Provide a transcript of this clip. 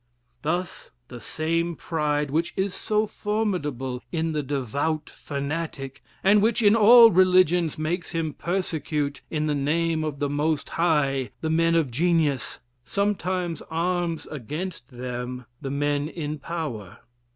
Thus the same pride, which is so formidable in the devout fanatic, and which in all religions makes him persecute, in the name of the Most High, the men of genius, sometimes arms against them the men in power.